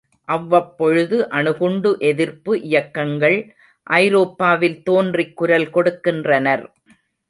அவ்வப் பொழுது அணுகுண்டு எதிர்ப்பு இயக்கங்கள் ஐரோப்பாவில் தோன்றிக் குரல் கொடுக்கின்றனர்.